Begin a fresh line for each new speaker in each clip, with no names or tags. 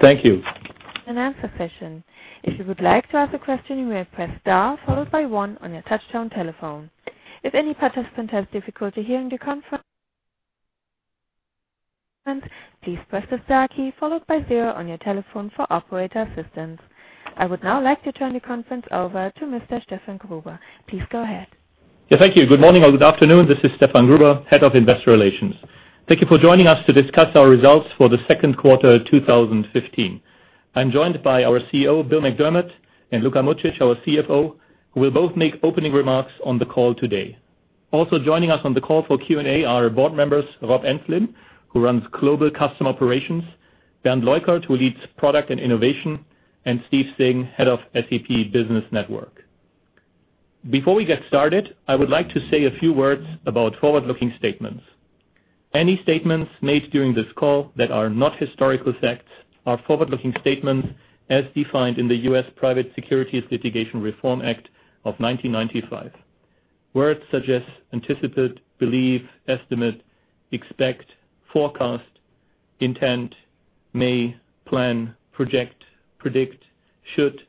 Thank you.
An answer session. If you would like to ask a question, you may press star followed by one on your touch-tone telephone. If any participant has difficulty hearing the conference, please press the star key followed by zero on your telephone for operator assistance. I would now like to turn the conference over to Mr. Stefan Gruber. Please go ahead.
Thank you. Good morning or good afternoon. This is Stefan Gruber, head of Investor Relations. Thank you for joining us to discuss our results for the second quarter 2015. I am joined by our CEO, Bill McDermott, and Luka Mucic, our CFO, who will both make opening remarks on the call today. Also joining us on the call for Q&A are our board members, Rob Enslin, who runs Global Customer Operations, Bernd Leukert, who leads Product and Innovation, and Steve Singh, head of SAP Business Network. Before we get started, I would like to say a few words about forward-looking statements. Any statements made during this call that are not historical facts are forward-looking statements as defined in the U.S. Private Securities Litigation Reform Act of 1995. Words such as anticipate, believe, estimate, expect, forecast, intend, may, plan, project, predict, should,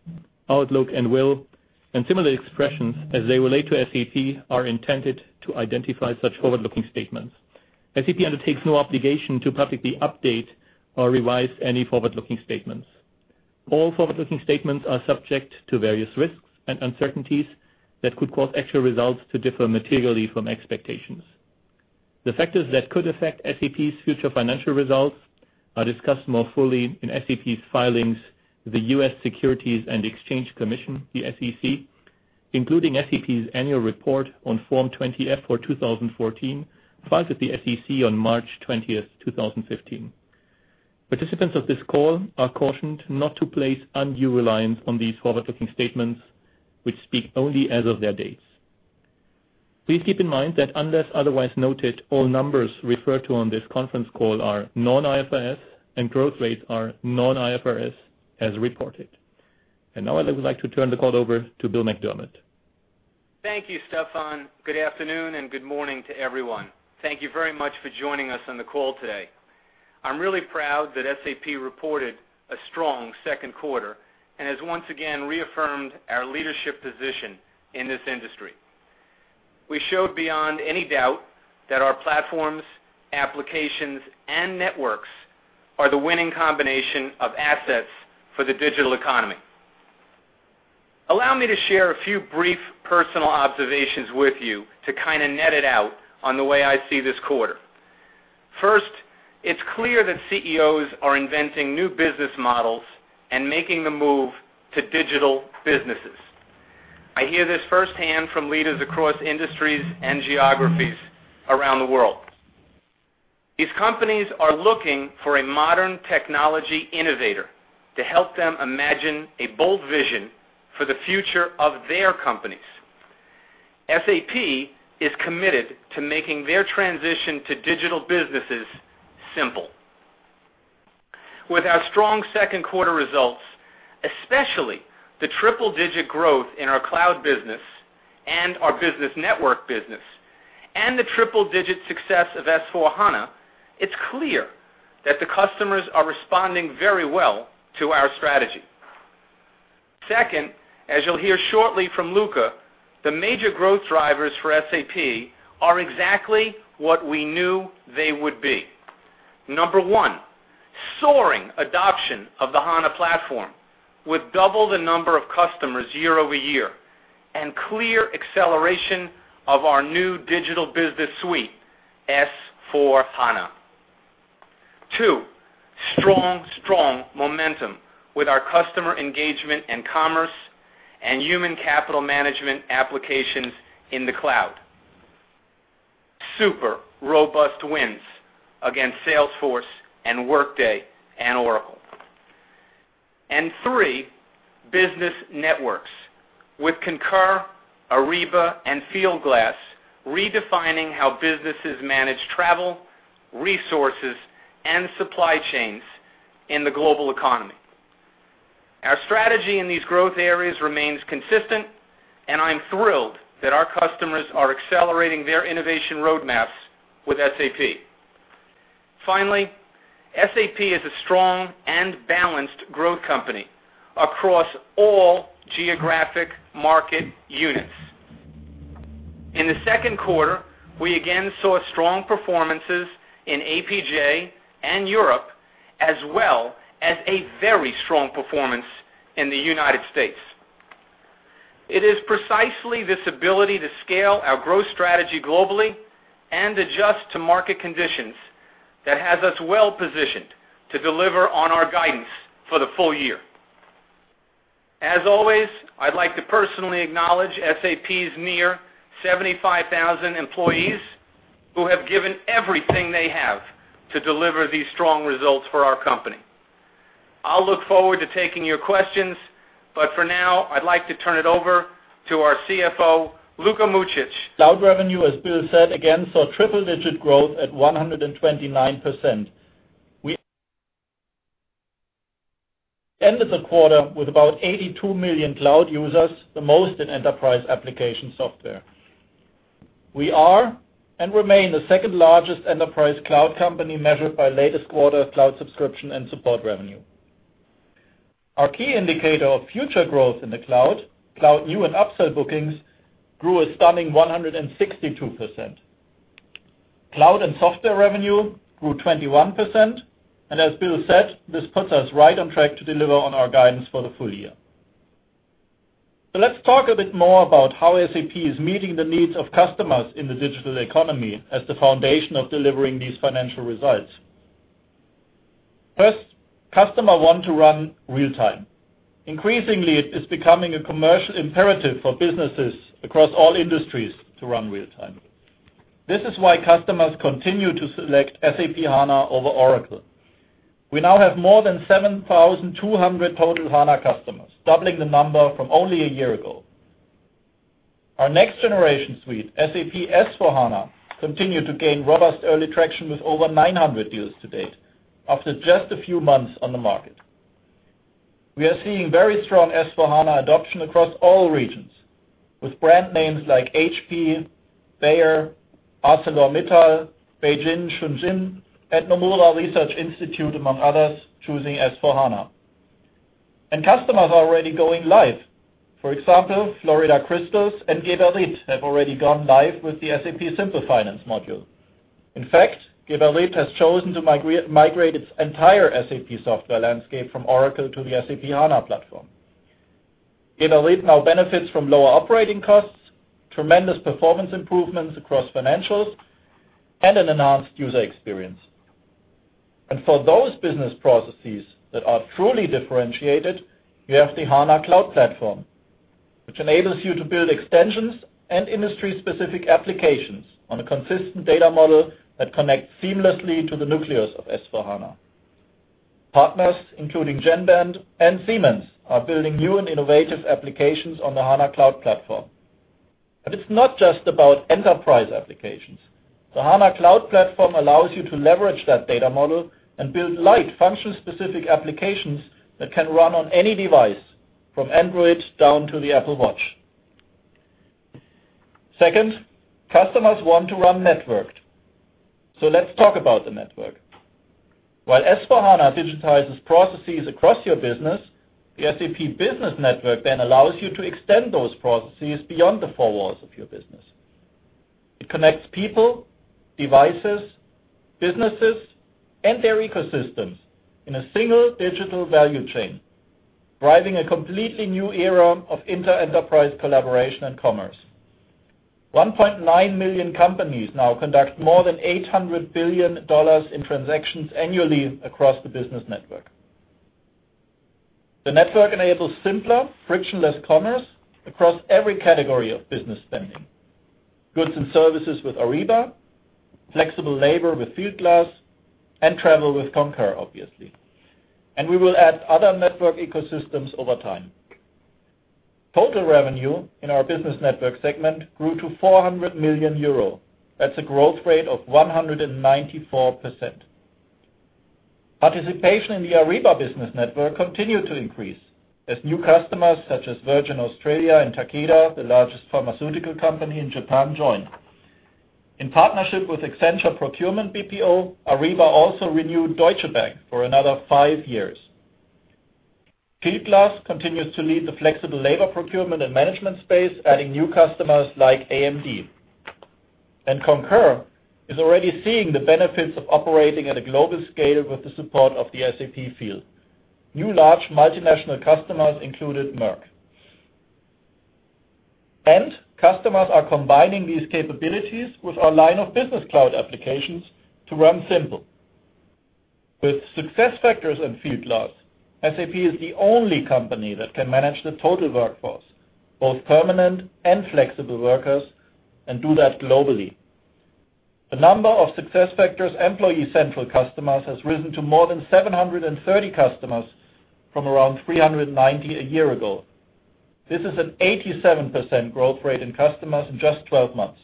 outlook, and will, and similar expressions as they relate to SAP, are intended to identify such forward-looking statements. SAP undertakes no obligation to publicly update or revise any forward-looking statements. All forward-looking statements are subject to various risks and uncertainties that could cause actual results to differ materially from expectations. The factors that could affect SAP's future financial results are discussed more fully in SAP's filings with the U.S. Securities and Exchange Commission, the SEC, including SAP's annual report on Form 20-F for 2014, filed with the SEC on March 20th, 2015. Participants of this call are cautioned not to place undue reliance on these forward-looking statements, which speak only as of their dates. Please keep in mind that, unless otherwise noted, all numbers referred to on this conference call are non-IFRS and growth rates are non-IFRS as reported. Now I would like to turn the call over to Bill McDermott.
Thank you, Stefan. Good afternoon and good morning to everyone. Thank you very much for joining us on the call today. I'm really proud that SAP reported a strong second quarter and has once again reaffirmed our leadership position in this industry. We showed beyond any doubt that our platforms, applications, and networks are the winning combination of assets for the digital economy. Allow me to share a few brief personal observations with you to kind of net it out on the way I see this quarter. First, it's clear that CEOs are inventing new business models and making the move to digital businesses. I hear this firsthand from leaders across industries and geographies around the world. These companies are looking for a modern technology innovator to help them imagine a bold vision for the future of their companies. SAP is committed to making their transition to digital businesses simple. With our strong second quarter results, especially the triple-digit growth in our cloud business and our Business Network business, and the triple-digit success of S/4HANA, it's clear that the customers are responding very well to our strategy. Second, as you'll hear shortly from Luka, the major growth drivers for SAP are exactly what we knew they would be. Number one, soaring adoption of the HANA platform with double the number of customers year-over-year and clear acceleration of our new digital Business Suite, S/4HANA. Two, strong momentum with our customer engagement and commerce and human capital management applications in the cloud. Super robust wins against Salesforce, Workday, and Oracle. Three, business networks with Concur, Ariba, and Fieldglass redefining how businesses manage travel, resources, and supply chains in the global economy. Our strategy in these growth areas remains consistent. I'm thrilled that our customers are accelerating their innovation roadmaps with SAP. Finally, SAP is a strong and balanced growth company across all geographic market units. In the second quarter, we again saw strong performances in APJ and Europe, as well as a very strong performance in the United States. It is precisely this ability to scale our growth strategy globally and adjust to market conditions that has us well positioned to deliver on our guidance for the full year. As always, I'd like to personally acknowledge SAP's near 75,000 employees who have given everything they have to deliver these strong results for our company. I'll look forward to taking your questions. For now, I'd like to turn it over to our CFO, Luka Mucic.
Cloud revenue, as Bill said, again, saw triple-digit growth at 129%. We ended the quarter with about 82 million cloud users, the most in enterprise application software. We are and remain the second-largest enterprise cloud company measured by latest quarter cloud subscription and support revenue. Our key indicator of future growth in the cloud new and upsell bookings, grew a stunning 162%. Cloud and software revenue grew 21%, as Bill said, this puts us right on track to deliver on our guidance for the full year. Let's talk a bit more about how SAP is meeting the needs of customers in the digital economy as the foundation of delivering these financial results. First, customer want to run real-time. Increasingly, it is becoming a commercial imperative for businesses across all industries to run real-time. This is why customers continue to select SAP HANA over Oracle. We now have more than 7,200 total HANA customers, doubling the number from only a year ago. Our next generation suite, SAP S/4HANA, continued to gain robust early traction with over 900 deals to date, after just a few months on the market. We are seeing very strong S/4HANA adoption across all regions, with brand names like HP, Bayer, ArcelorMittal, Beijing Shunxin, and Nomura Research Institute, among others, choosing S/4HANA. Customers are already going live. For example, Florida Crystals and Geberit have already gone live with the SAP Simple Finance module. In fact, Geberit has chosen to migrate its entire SAP software landscape from Oracle to the SAP HANA platform. Geberit now benefits from lower operating costs, tremendous performance improvements across financials, and an enhanced user experience. For those business processes that are truly differentiated, we have the HANA Cloud Platform, which enables you to build extensions and industry-specific applications on a consistent data model that connects seamlessly to the nucleus of S/4HANA. Partners, including Genband and Siemens, are building new and innovative applications on the HANA Cloud Platform. It's not just about enterprise applications. The HANA Cloud Platform allows you to leverage that data model and build light, function-specific applications that can run on any device, from Android down to the Apple Watch. Second, customers want to run networked. Let's talk about the network. While S/4HANA digitizes processes across your business, the SAP Business Network then allows you to extend those processes beyond the four walls of your business. It connects people, devices, businesses, and their ecosystems in a single digital value chain, driving a completely new era of inter-enterprise collaboration and commerce. 1.9 million companies now conduct more than $800 billion in transactions annually across the Business Network. The network enables simpler, frictionless commerce across every category of business spending. Goods and services with Ariba, flexible labor with Fieldglass, and travel with Concur, obviously. We will add other network ecosystems over time. Total revenue in our Business Network segment grew to 400 million euro. That's a growth rate of 194%. Participation in the Ariba Business Network continued to increase as new customers, such as Virgin Australia and Takeda, the largest pharmaceutical company in Japan, joined. In partnership with Accenture Procurement BPO, Ariba also renewed Deutsche Bank for another five years. Fieldglass continues to lead the flexible labor procurement and management space, adding new customers like AMD. Concur is already seeing the benefits of operating at a global scale with the support of the SAP field. New large multinational customers included Merck. Customers are combining these capabilities with our line of business cloud applications to run simple. With SuccessFactors and Fieldglass, SAP is the only company that can manage the total workforce, both permanent and flexible workers, and do that globally. The number of SuccessFactors Employee Central customers has risen to more than 730 customers from around 390 a year ago. This is an 87% growth rate in customers in just 12 months.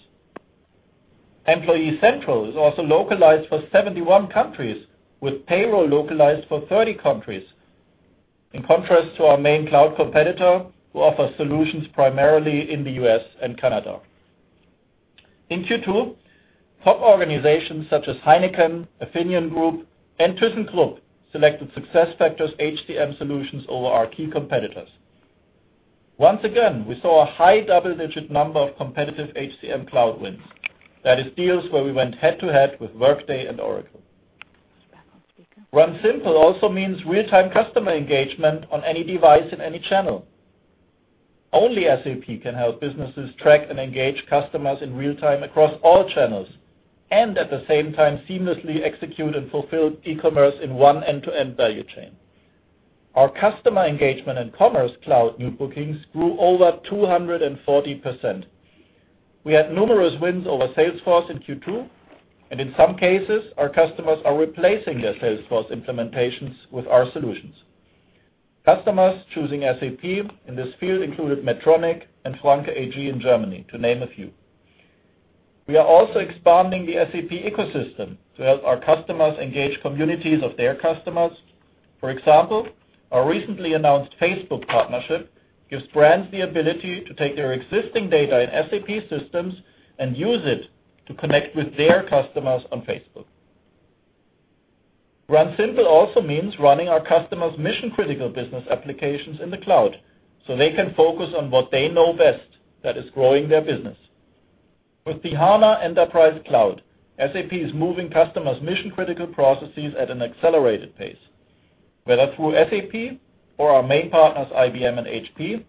Employee Central is also localized for 71 countries, with payroll localized for 30 countries, in contrast to our main cloud competitor, who offers solutions primarily in the U.S. and Canada. In Q2, top organizations such as Heineken, Affinion Group, and ThyssenKrupp selected SuccessFactors HCM solutions over our key competitors. Once again, we saw a high double-digit number of competitive HCM cloud wins. That is deals where we went head-to-head with Workday and Oracle.
Back on speaker.
Run simple also means real-time customer engagement on any device in any channel. Only SAP can help businesses track and engage customers in real time across all channels, and at the same time seamlessly execute and fulfill e-commerce in one end-to-end value chain. Our customer engagement and commerce cloud new bookings grew over 240%. We had numerous wins over Salesforce in Q2, and in some cases, our customers are replacing their Salesforce implementations with our solutions. Customers choosing SAP in this field included Medtronic and Franke AG in Germany, to name a few. We are also expanding the SAP ecosystem to help our customers engage communities of their customers. For example, our recently announced Facebook partnership gives brands the ability to take their existing data in SAP systems and use it to connect with their customers on Facebook. Run simple also means running our customers' mission-critical business applications in the cloud so they can focus on what they know best, that is growing their business. With the SAP HANA Enterprise Cloud, SAP is moving customers' mission-critical processes at an accelerated pace. Whether through SAP or our main partners, IBM and HP,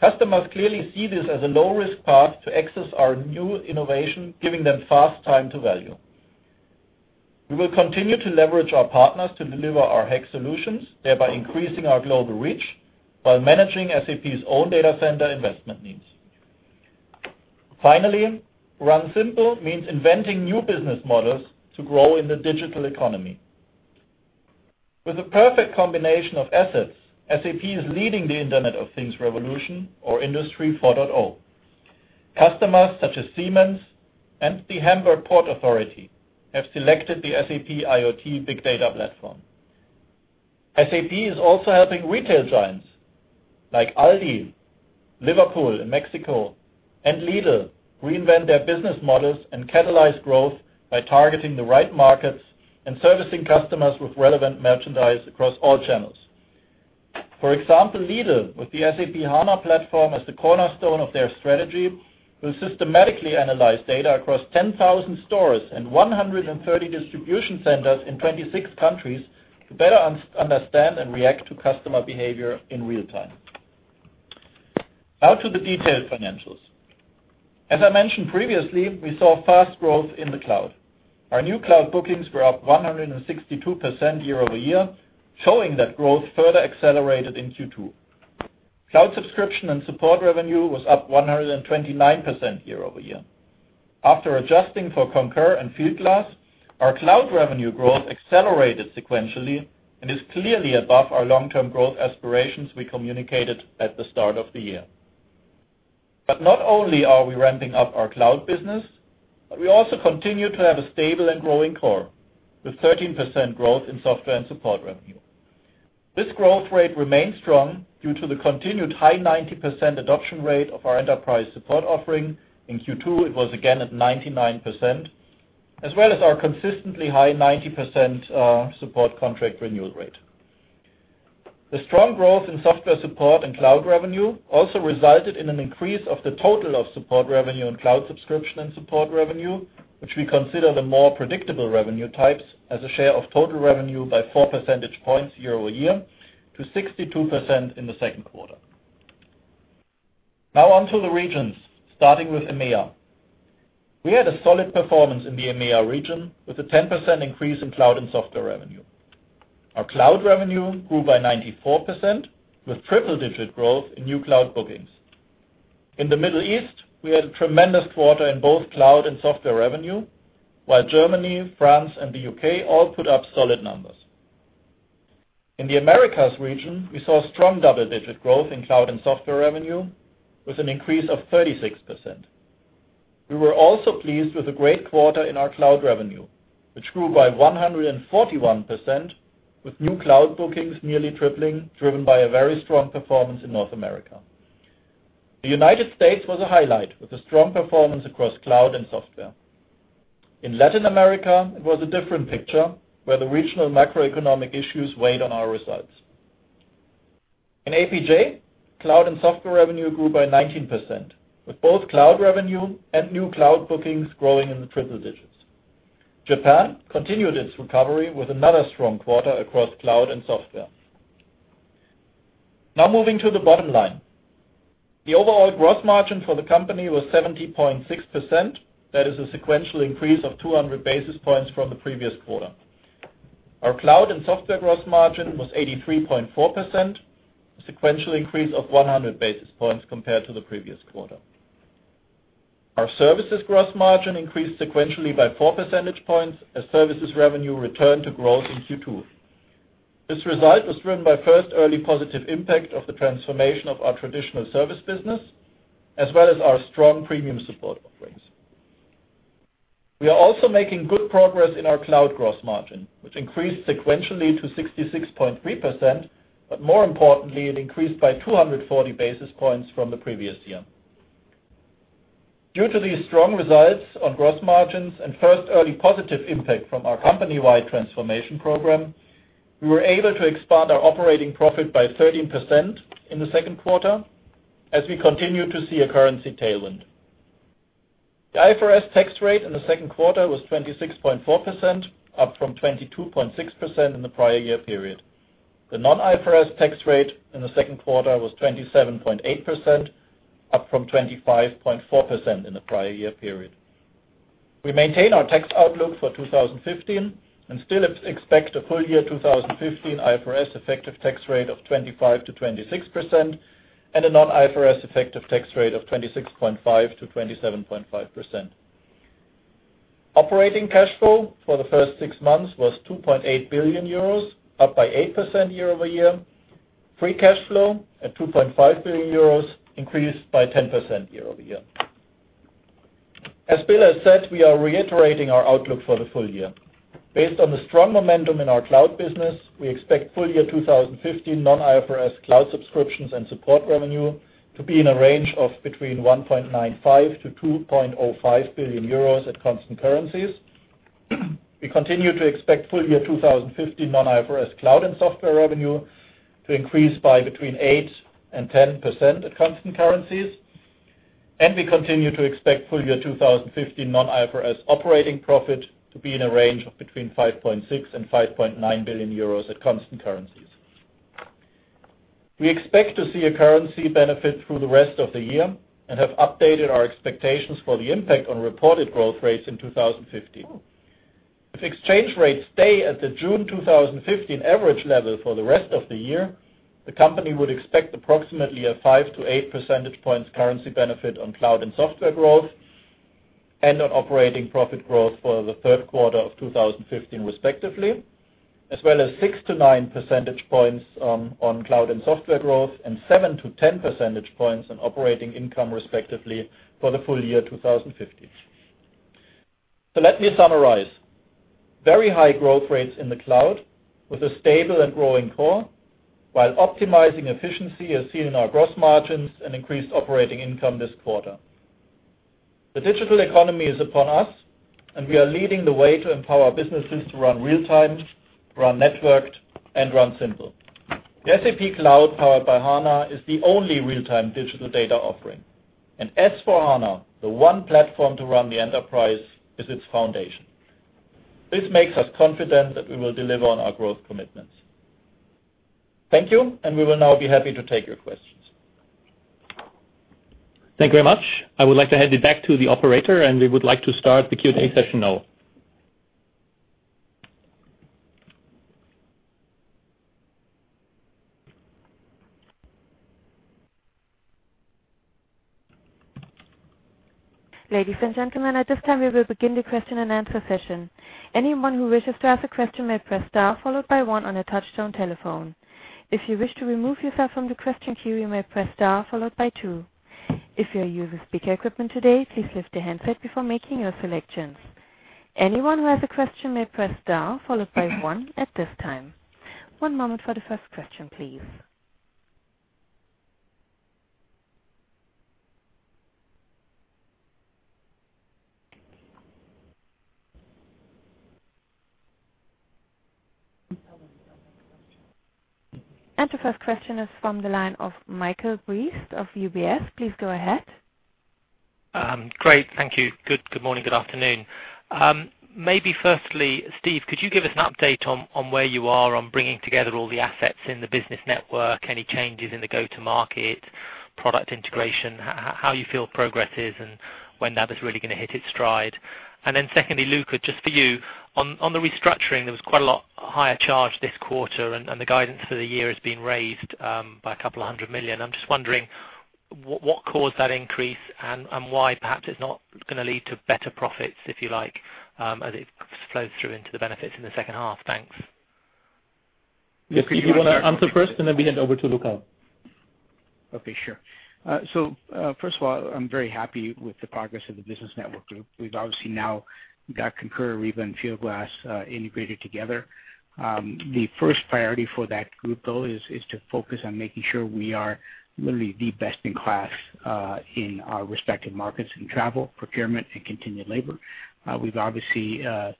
customers clearly see this as a low-risk path to access our new innovation, giving them fast time to value. We will continue to leverage our partners to deliver our HEC solutions, thereby increasing our global reach while managing SAP's own data center investment needs. Finally, run simple means inventing new business models to grow in the digital economy. With the perfect combination of assets, SAP is leading the Internet of Things revolution or Industry 4.0. Customers such as Siemens and the Hamburg Port Authority have selected the SAP IoT big data platform. SAP is also helping retail giants like Aldi, Liverpool in Mexico, and Lidl reinvent their business models and catalyze growth by targeting the right markets and servicing customers with relevant merchandise across all channels. For example, Lidl, with the SAP HANA platform as the cornerstone of their strategy, will systematically analyze data across 10,000 stores and 130 distribution centers in 26 countries to better understand and react to customer behavior in real time. Now to the detailed financials. As I mentioned previously, we saw fast growth in the cloud. Our new cloud bookings were up 162% year-over-year, showing that growth further accelerated in Q2. Cloud subscription and support revenue was up 129% year-over-year. After adjusting for Concur and Fieldglass, our cloud revenue growth accelerated sequentially and is clearly above our long-term growth aspirations we communicated at the start of the year. Not only are we ramping up our cloud business, but we also continue to have a stable and growing core, with 13% growth in software and support revenue. This growth rate remains strong due to the continued high 90% adoption rate of our enterprise support offering. In Q2, it was again at 99%, as well as our consistently high 90% support contract renewal rate. The strong growth in software support and cloud revenue also resulted in an increase of the total of support revenue and cloud subscription and support revenue, which we consider the more predictable revenue types as a share of total revenue by four percentage points year-over-year to 62% in the second quarter. Now on to the regions, starting with EMEA. We had a solid performance in the EMEA region with a 10% increase in cloud and software revenue. Our cloud revenue grew by 94%, with triple-digit growth in new cloud bookings. In the Middle East, we had a tremendous quarter in both cloud and software revenue, while Germany, France, and the U.K. all put up solid numbers. In the Americas region, we saw strong double-digit growth in cloud and software revenue with an increase of 36%. We were also pleased with a great quarter in our cloud revenue, which grew by 141%, with new cloud bookings nearly tripling, driven by a very strong performance in North America. The United States was a highlight, with a strong performance across cloud and software. In Latin America, it was a different picture, where the regional macroeconomic issues weighed on our results. In APJ, cloud and software revenue grew by 19%, with both cloud revenue and new cloud bookings growing in the triple digits. Japan continued its recovery with another strong quarter across cloud and software. Moving to the bottom line. The overall gross margin for the company was 70.6%. That is a sequential increase of 200 basis points from the previous quarter. Our cloud and software gross margin was 83.4%, a sequential increase of 100 basis points compared to the previous quarter. Our services gross margin increased sequentially by four percentage points as services revenue returned to growth in Q2. This result was driven by first early positive impact of the transformation of our traditional service business, as well as our strong premium support offerings. We are also making good progress in our cloud gross margin, which increased sequentially to 66.3%, but more importantly, it increased by 240 basis points from the previous year. Due to these strong results on gross margins and first early positive impact from our company-wide transformation program, we were able to expand our operating profit by 13% in the second quarter as we continue to see a currency tailwind. The IFRS tax rate in the second quarter was 26.4%, up from 22.6% in the prior year period. The non-IFRS tax rate in the second quarter was 27.8%, up from 25.4% in the prior year period. We maintain our tax outlook for 2015 and still expect a full year 2015 IFRS effective tax rate of 25%-26% and a non-IFRS effective tax rate of 26.5%-27.5%. Operating cash flow for the first six months was 2.8 billion euros, up by 8% year-over-year. Free cash flow at 2.5 billion euros increased by 10% year-over-year. As Bill has said, we are reiterating our outlook for the full year. Based on the strong momentum in our cloud business, we expect full year 2015 non-IFRS cloud subscriptions and support revenue to be in a range of between 1.95 billion-2.05 billion euros at constant currencies. We continue to expect full year 2015 non-IFRS cloud and software revenue to increase by between 8%-10% at constant currencies, and we continue to expect full year 2015 non-IFRS operating profit to be in a range of between 5.6 billion-5.9 billion euros at constant currencies. We expect to see a currency benefit through the rest of the year and have updated our expectations for the impact on reported growth rates in 2015. If exchange rates stay at the June 2015 average level for the rest of the year, the company would expect approximately a 5-8 percentage points currency benefit on cloud and software growth, and on operating profit growth for the third quarter of 2015 respectively. As well as 6-9 percentage points on cloud and software growth and 7-10 percentage points on operating income, respectively, for the full year 2015. Let me summarize. Very high growth rates in the cloud with a stable and growing core, while optimizing efficiency as seen in our gross margins and increased operating income this quarter. The digital economy is upon us, and we are leading the way to empower businesses to run real-time, run networked, and run simple. The SAP Cloud powered by HANA is the only real-time digital data offering. S/4HANA, the one platform to run the enterprise, is its foundation. This makes us confident that we will deliver on our growth commitments. Thank you, and we will now be happy to take your questions.
Thank you very much. I would like to hand it back to the operator, and we would like to start the Q&A session now.
Ladies and gentlemen, at this time, we will begin the question-and-answer session. Anyone who wishes to ask a question may press star followed by one on a touch-tone telephone. If you wish to remove yourself from the question queue, you may press star followed by two. If you're using speaker equipment today, please lift the handset before making your selections. Anyone who has a question may press star followed by one at this time. One moment for the first question, please. The first question is from the line of Michael Briest of UBS. Please go ahead.
Great. Thank you. Good morning, good afternoon. Maybe firstly, Steve, could you give us an update on where you are on bringing together all the assets in the Business Network, any changes in the go-to market, product integration, how you feel progress is, and when that is really going to hit its stride? Then secondly, Luka, just for you. On the restructuring, there was quite a lot higher charge this quarter, and the guidance for the year has been raised by a couple of hundred million. I'm just wondering what caused that increase and why perhaps it's not going to lead to better profits, if you like, as it flows through into the benefits in the second half? Thanks.
Luka, if you want to answer first, and then we hand over to Luka.
Okay, sure. First of all, I'm very happy with the progress of the Business Network group. We've obviously now got Concur, Ariba, and Fieldglass integrated together. The first priority for that group, though, is to focus on making sure we are literally the best in class in our respective markets in travel, procurement, and contingent labor. We've got a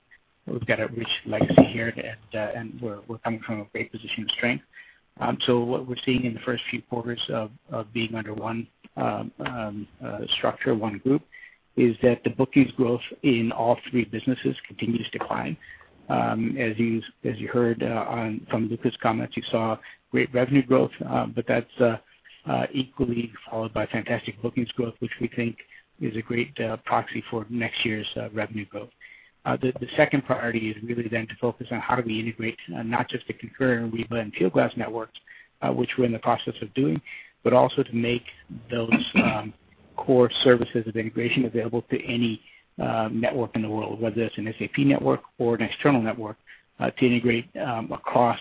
rich legacy here, and we're coming from a great position of strength. What we're seeing in the first few quarters of being under one structure, one group, is that the bookings growth in all three businesses continues to climb. As you heard from Luka's comments, you saw great revenue growth, but that's equally followed by fantastic bookings growth, which we think is a great proxy for next year's revenue growth. The second priority is really to focus on how do we integrate not just the Concur and Ariba and Fieldglass networks, which we're in the process of doing, but also to make those core services of integration available to any network in the world, whether that's an SAP network or an external network, to integrate across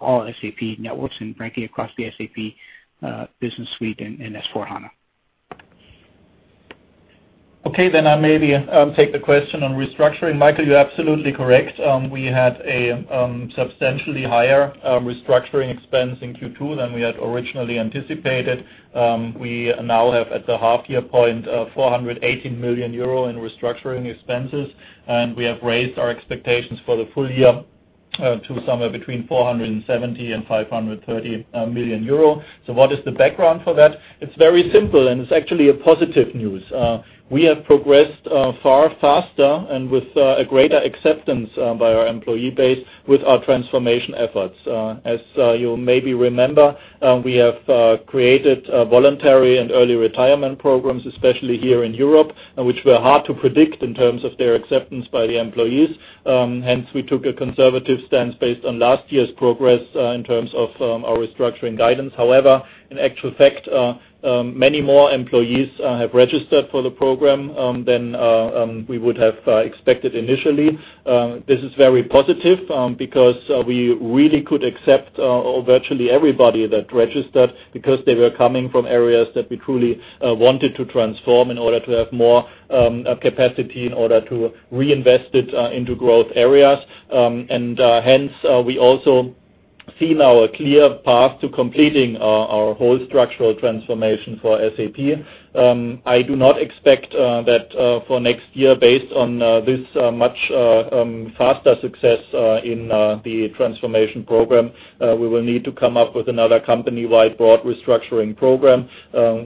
all SAP networks and frankly, across the SAP Business Suite and S/4HANA.
Okay, I maybe take the question on restructuring. Michael, you're absolutely correct. We had a substantially higher restructuring expense in Q2 than we had originally anticipated. We now have at the half year point, 418 million euro in restructuring expenses, and we have raised our expectations for the full year to somewhere between 470 and 530 million euro. What is the background for that? It's very simple, and it's actually a positive news. We have progressed far faster and with a greater acceptance by our employee base with our transformation efforts. As you maybe remember, we have created voluntary and early retirement programs, especially here in Europe, which were hard to predict in terms of their acceptance by the employees. Hence, we took a conservative stance based on last year's progress in terms of our restructuring guidance. However, in actual fact, many more employees have registered for the program than we would have expected initially. This is very positive because we really could accept virtually everybody that registered because they were coming from areas that we truly wanted to transform in order to have more capacity in order to reinvest it into growth areas. Hence, we also see now a clear path to completing our whole structural transformation for SAP. I do not expect that for next year, based on this much faster success in the transformation program, we will need to come up with another company-wide broad restructuring program.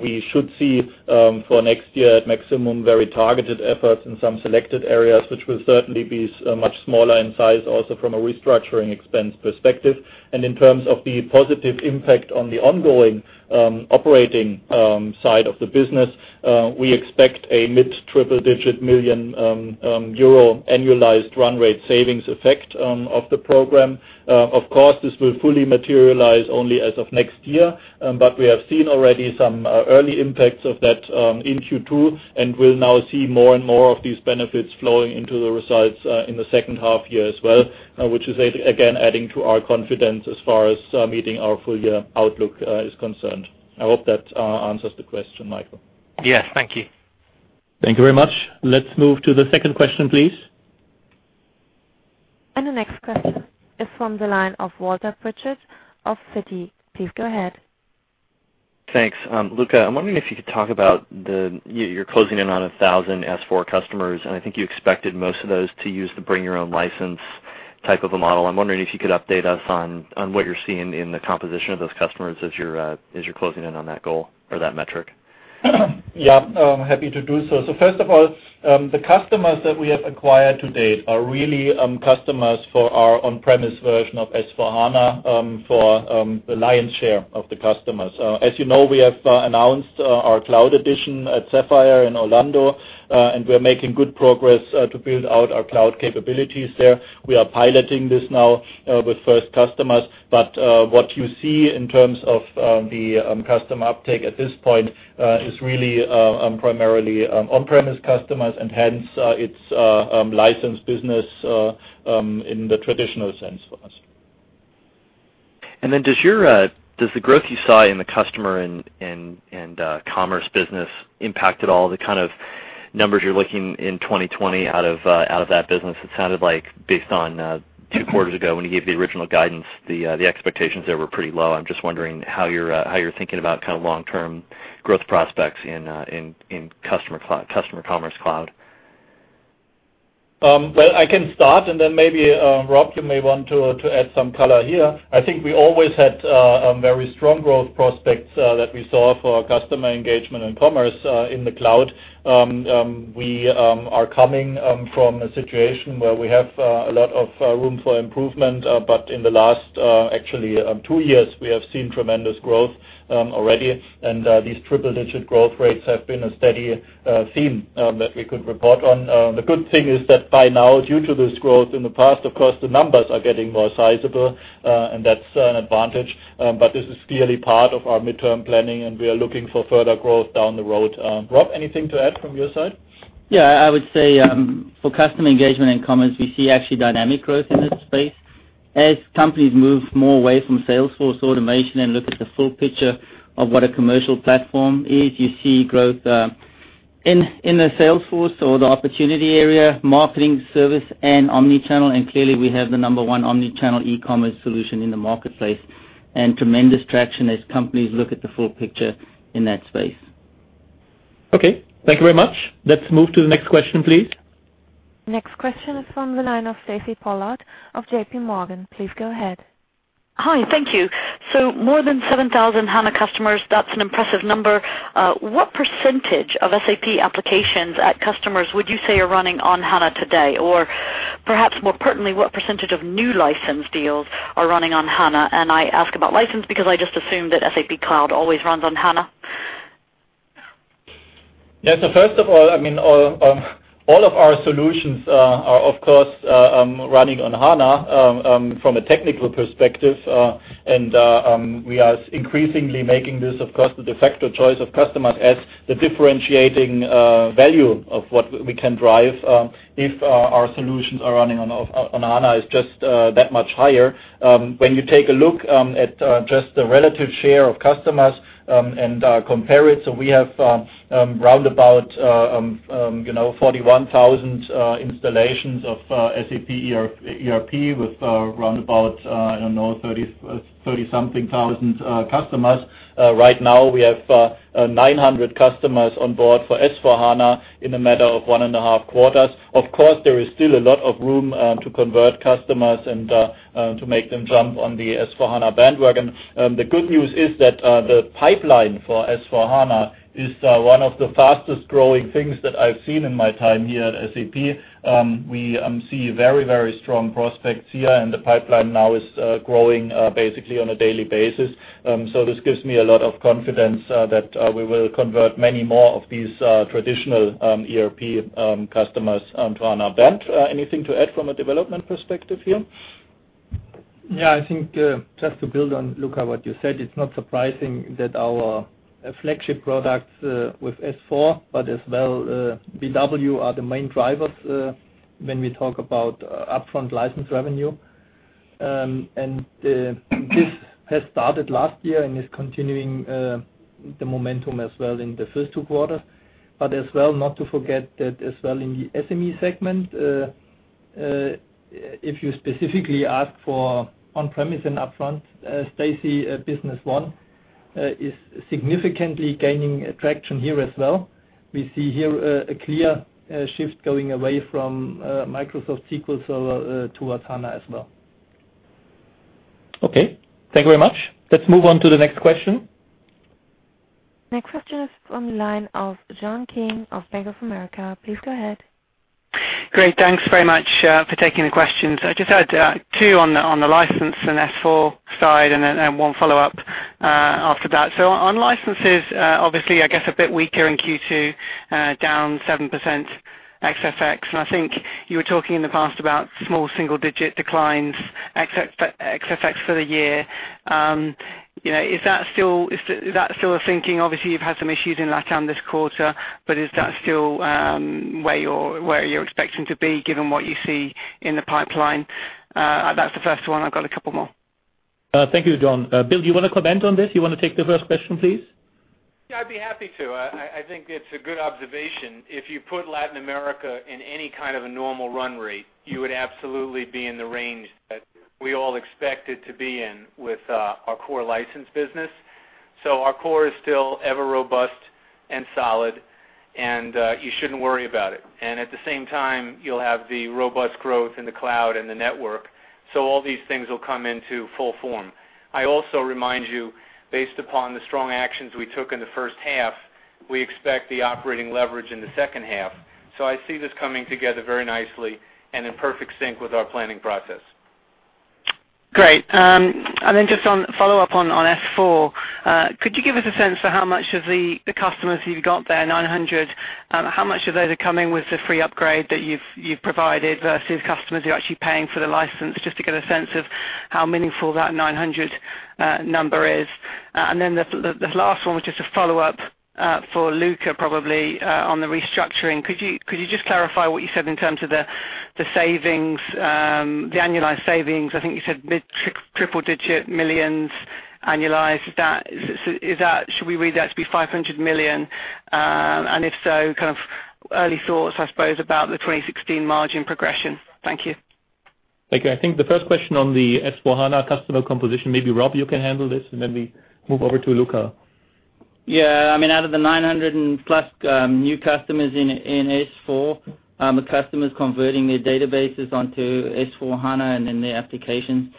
We should see for next year at maximum, very targeted efforts in some selected areas, which will certainly be much smaller in size also from a restructuring expense perspective. In terms of the positive impact on the ongoing operating side of the business, we expect a mid triple-digit million EUR annualized run rate savings effect of the program. Of course, this will fully materialize only as of next year. We have seen already some early impacts of that in Q2, and we'll now see more and more of these benefits flowing into the results in the second half-year as well, which is again, adding to our confidence as far as meeting our full-year outlook is concerned. I hope that answers the question, Michael.
Yes, thank you.
Thank you very much. Let's move to the second question, please.
The next question is from the line of Walter Pritchard of Citi. Please go ahead.
Thanks. Luka, I'm wondering if you could talk about you're closing in on 1,000 S/4 customers, and I think you expected most of those to use the bring your own license type of a model. I'm wondering if you could update us on what you're seeing in the composition of those customers as you're closing in on that goal or that metric.
Yeah. Happy to do so. First of all, the customers that we have acquired to date are really customers for our on-premise version of S/4HANA for the lion's share of the customers. As you know, we have announced our cloud edition at Sapphire in Orlando. We're making good progress to build out our cloud capabilities there. We are piloting this now with first customers, what you see in terms of the customer uptake at this point is really primarily on-premise customers and hence it's licensed business in the traditional sense for us.
Does the growth you saw in the customer and commerce business impact at all the kind of numbers you're looking in 2020 out of that business? It sounded like based on two quarters ago when you gave the original guidance, the expectations there were pretty low. I'm just wondering how you're thinking about kind of long-term growth prospects in Customer Commerce Cloud.
Well, I can start and then maybe, Rob, you may want to add some color here. I think we always had very strong growth prospects that we saw for our customer engagement and commerce in the cloud. We are coming from a situation where we have a lot of room for improvement. In the last actually two years, we have seen tremendous growth already. These triple digit growth rates have been a steady theme that we could report on. The good thing is that by now, due to this growth in the past, of course, the numbers are getting more sizable, and that's an advantage. This is clearly part of our midterm planning, and we are looking for further growth down the road. Rob, anything to add from your side?
Yeah, I would say, for customer engagement and commerce, we see actually dynamic growth in this space. As companies move more away from Salesforce automation and look at the full picture of what a commercial platform is, you see growth in the Salesforce or the opportunity area, marketing service, and omni-channel. Clearly we have the number one omni-channel e-commerce solution in the marketplace and tremendous traction as companies look at the full picture in that space.
Okay. Thank you very much. Let's move to the next question, please.
Next question is from the line of Stacy Pollard of JPMorgan. Please go ahead.
Hi. Thank you. More than 7,000 HANA customers, that's an impressive number. What percentage of SAP applications at customers would you say are running on HANA today? Or perhaps more pertinently, what percentage of new license deals are running on HANA? I ask about license because I just assume that SAP Cloud always runs on HANA.
Yeah. First of all of our solutions are of course, running on HANA, from a technical perspective. We are increasingly making this, of course, the de facto choice of customers as the differentiating value of what we can drive if our solutions are running on HANA is just that much higher. When you take a look at just the relative share of customers, and compare it, so we have round about 41,000 installations of SAP ERP with round about, I don't know, 30 something thousand customers. Right now we have 900 customers on board for S/4HANA in a matter of one and a half quarters. Of course, there is still a lot of room to convert customers and to make them jump on the S/4HANA bandwagon. The good news is that the pipeline for S/4HANA is one of the fastest-growing things that I've seen in my time here at SAP. We see very strong prospects here, and the pipeline now is growing basically on a daily basis. This gives me a lot of confidence that we will convert many more of these traditional ERP customers onto HANA. Bernd, anything to add from a development perspective here?
Yeah, I think just to build on, Luka, what you said, it's not surprising that our flagship products with S4, but as well, BW are the main drivers when we talk about upfront license revenue. This has started last year and is continuing the momentum as well in the first two quarters. As well not to forget that as well in the SME segment If you specifically ask for on-premise and upfront, SAP Business One is significantly gaining traction here as well. We see here a clear shift going away from Microsoft SQL Server towards HANA as well.
Okay. Thank you very much. Let's move on to the next question.
Next question is on the line of John King of Bank of America. Please go ahead.
Great. Thanks very much for taking the questions. I just had two on the license and S/4 side, then one follow-up after that. On licenses, obviously, I guess a bit weaker in Q2, down 7% ex FX. I think you were talking in the past about small single-digit declines ex FX for the year. Is that still a thinking? Obviously, you've had some issues in LatAm this quarter, is that still where you're expecting to be given what you see in the pipeline? That's the first one. I've got a couple more.
Thank you, John. Bill, do you want to comment on this? You want to take the first question, please?
I'd be happy to. I think it's a good observation. If you put Latin America in any kind of a normal run rate, you would absolutely be in the range that we all expect it to be in with our core license business. Our core is still ever robust and solid, and you shouldn't worry about it. At the same time, you'll have the robust growth in the cloud and the network. All these things will come into full form. I also remind you, based upon the strong actions we took in the first half, we expect the operating leverage in the second half. I see this coming together very nicely and in perfect sync with our planning process.
Great. Just on follow-up on S/4, could you give us a sense for how much of the customers you've got there, 900, how much of those are coming with the free upgrade that you've provided versus customers who are actually paying for the license, just to get a sense of how meaningful that 900 number is? The last one was just a follow-up for Luka, probably, on the restructuring. Could you just clarify what you said in terms of the annualized savings? I think you said triple digit millions annualized. Should we read that to be 500 million? If so, early thoughts, I suppose, about the 2016 margin progression. Thank you.
Thank you. I think the first question on the S/4HANA customer composition, maybe Rob, you can handle this, we move over to Luka.
Yeah. Out of the 900-plus new customers in S/4, the customers converting their databases onto S/4HANA, their application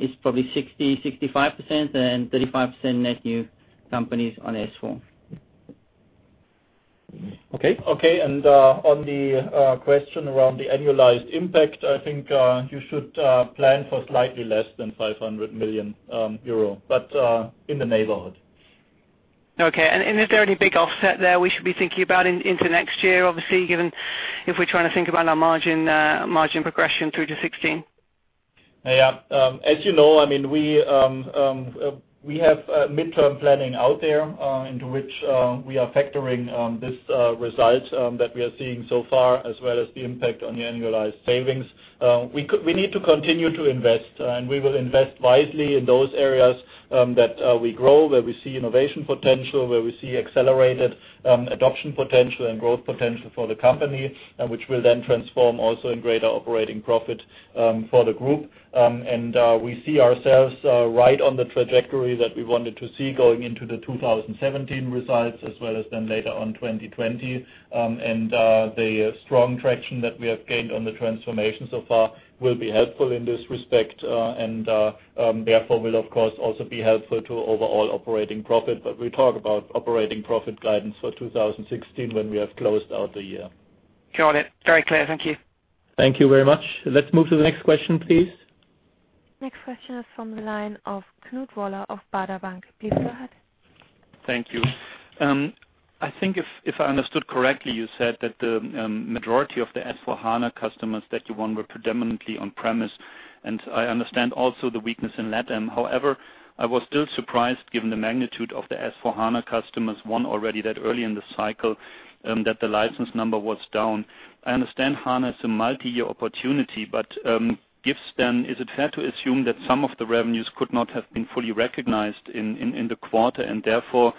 is probably 60%-65%, and 35% net new companies on S/4.
Okay.
Okay. On the question around the annualized impact, I think you should plan for slightly less than 500 million euro, but in the neighborhood.
Okay. Is there any big offset there we should be thinking about into next year, obviously, given if we're trying to think about our margin progression through to 2016?
Yeah. As you know, we have midterm planning out there into which we are factoring this result that we are seeing so far, as well as the impact on the annualized savings. We need to continue to invest, and we will invest wisely in those areas that we grow, where we see innovation potential, where we see accelerated adoption potential and growth potential for the company, which will then transform also in greater operating profit for the group. We see ourselves right on the trajectory that we wanted to see going into the 2017 results, as well as then later on 2020. The strong traction that we have gained on the transformation so far will be helpful in this respect, and therefore will, of course, also be helpful to overall operating profit. We'll talk about operating profit guidance for 2016 when we have closed out the year.
Got it. Very clear. Thank you.
Thank you very much. Let's move to the next question, please.
Next question is from the line of Knut Woller of Baader Bank. Please go ahead.
Thank you. I think if I understood correctly, you said that the majority of the S/4HANA customers that you won were predominantly on-premise, and I understand also the weakness in LatAm. However, I was still surprised given the magnitude of the S/4HANA customers won already that early in the cycle, that the license number was down. I understand HANA is a multi-year opportunity, but is it fair to assume that some of the revenues could not have been fully recognized in the quarter, and therefore,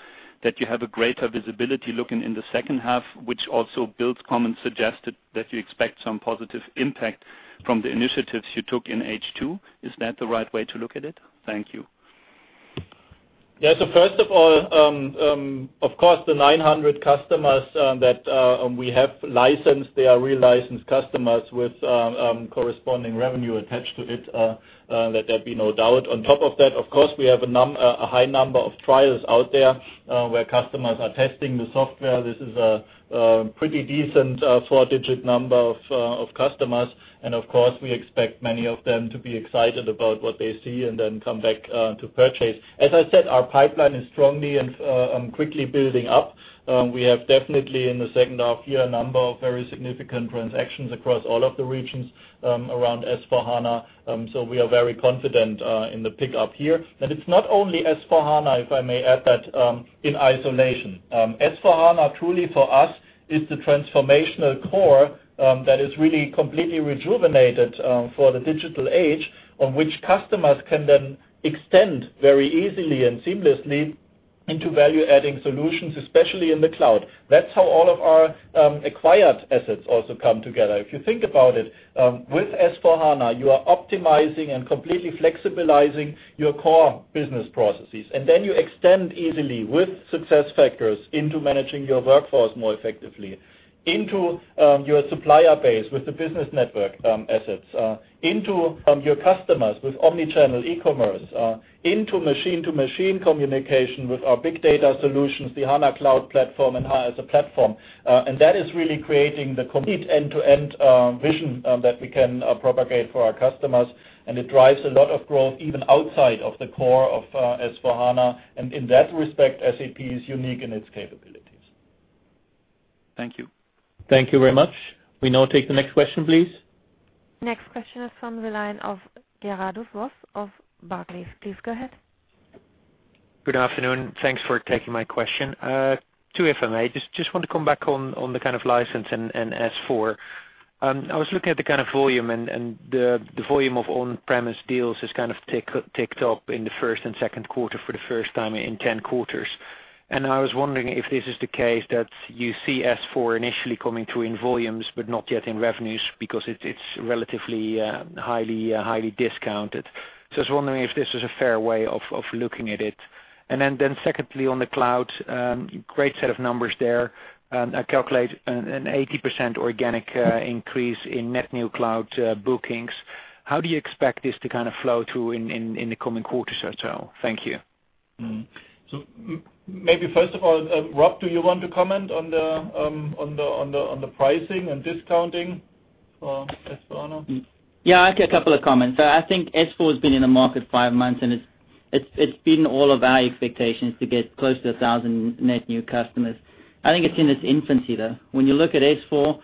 that you have a greater visibility looking in the second half, which also Bill's comment suggested that you expect some positive impact from the initiatives you took in H2? Is that the right way to look at it? Thank you.
Yeah. First of all, of course, the 900 customers that we have licensed, they are real licensed customers with corresponding revenue attached to it. Let there be no doubt. On top of that, of course, we have a high number of trials out there where customers are testing the software. This is a pretty decent four-digit number of customers. Of course, we expect many of them to be excited about what they see and then come back to purchase. As I said, our pipeline is strongly and quickly building up. We have definitely in the second half year, a number of very significant transactions across all of the regions around S/4HANA. We are very confident in the pickup here. It's not only S/4HANA, if I may add that, in isolation. S/4HANA truly for us is the transformational core that is really completely rejuvenated for the digital age, on which customers can then extend very easily and seamlessly into value-adding solutions, especially in the cloud. That's how all of our acquired assets also come together. If you think about it, with S/4HANA, you are optimizing and completely flexibilizing your core business processes. Then you extend easily with SuccessFactors into managing your workforce more effectively, into your supplier base with the Business Network assets, into your customers with omni-channel e-commerce, into machine-to-machine communication with our big data solutions, the HANA Cloud Platform and HANA as a platform. That is really creating the complete end-to-end vision that we can propagate for our customers. It drives a lot of growth even outside of the core of S/4HANA. In that respect, SAP is unique in its capabilities.
Thank you.
Thank you very much. We now take the next question, please.
Next question is from the line of Gerardus Vos of Barclays. Please go ahead.
Good afternoon. Thanks for taking my question. Two if I may. Just want to come back on the kind of license and S/4. I was looking at the kind of volume, the volume of on-premise deals has kind of ticked up in the first and second quarter for the first time in 10 quarters. I was wondering if this is the case that you see S/4 initially coming through in volumes, but not yet in revenues because it's relatively highly discounted. I was wondering if this is a fair way of looking at it. Secondly, on the cloud, great set of numbers there. I calculate an 80% organic increase in net new cloud bookings. How do you expect this to kind of flow through in the coming quarters or so? Thank you.
Maybe first of all, Rob, do you want to comment on the pricing and discounting for S/4HANA?
Yeah, I have a couple of comments. I think S/4 has been in the market five months, it's beaten all of our expectations to get close to 1,000 net new customers. I think it's in its infancy, though. When you look at S/4